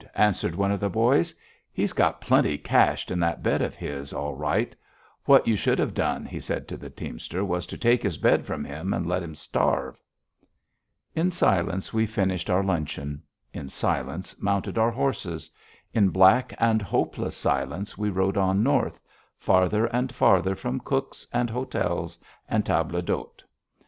answered one of the boys. "He's got plenty cached in that bed of his, all right. What you should have done," he said to the teamster, "was to take his bed from him and let him starve." In silence we finished our luncheon; in silence, mounted our horses. In black and hopeless silence we rode on north, farther and farther from cooks and hotels and tables d'hôte.